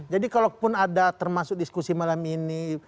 jadi kalau pun ada termasuk diskusi malam ini